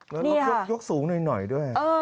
แล้วรถยกสูงหน่อยด้วย